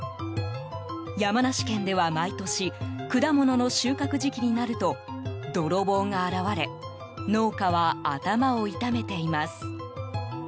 山梨県では毎年果物の収穫時期になると泥棒が現れ農家は頭を痛めています。